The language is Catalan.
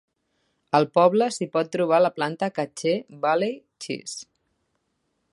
Al poble s'hi pot trobar la planta Cache Valley Cheese.